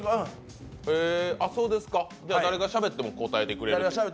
じゃあ、誰がしゃべっても答えてくれる？